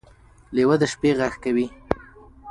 لیوه د شپې غږ کوي.